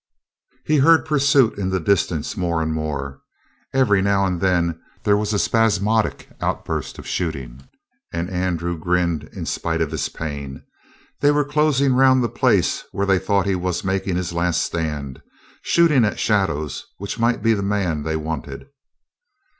He heard the pursuit in the distance more and more. Every now and then there was a spasmodic outburst of shooting, and Andrew grinned in spite of his pain. They were closing around the place where they thought he was making his last stand, shooting at shadows which might be the man they wanted.